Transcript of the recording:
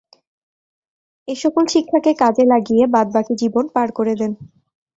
এ সকল শিক্ষাকে কাজে লাগিয়ে বাদবাকি জীবন পার করে দেন।